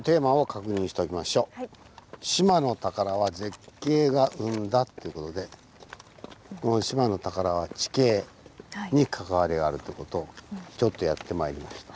「志摩の宝は絶景が生んだ⁉」っていう事でこの「志摩の宝」は地形に関わりがあるって事をちょっとやってまいりました。